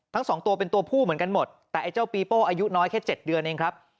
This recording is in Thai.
ทั้งสองตัวเป็นตัวผู้เหมือนกันหมดแต่ไอ้เจ้าปีโป้อายุน้อยแค่๗เดือนเองครับ